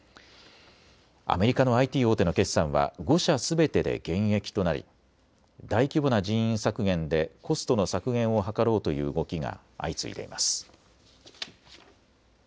アメリカのＩＴ大手の決算は５社すべてで減益となり大規模な人員削減でコストの削減を図ろうという動きが相次いでいます。